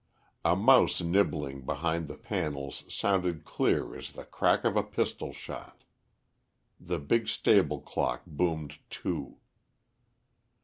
A mouse nibbling behind the panels sounded clear as the crack of a pistol shot. The big stable clock boomed two.